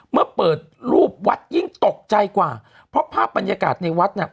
เมื่อเปิดรูปวัดยิ่งตกใจกว่าเพราะภาพบรรยากาศในวัดเนี่ย